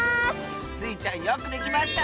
スイちゃんよくできました！